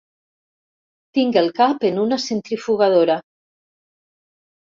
Tinc el cap en una centrifugadora.